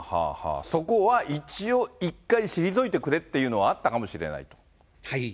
そこは一応、一回退いてくれっていうのはあったかもしれないはい。